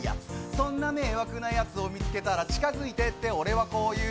そんな迷惑なやつを見つけたら、地下づいてって、俺はこう言う。